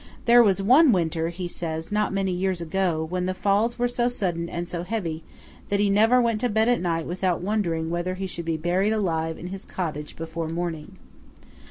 There was one winter, he says, not many years ago, when the falls were so sudden and so heavy, that he never went to bed at night without wondering whether he should be buried alive in his cottage before morning.